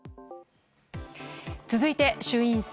続いて、衆院選。